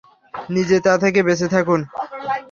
নিজে তা থেকে বেঁচে থাকুন।